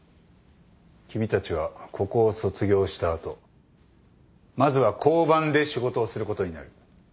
君たちはここを卒業した後まずは交番で仕事をすることになる。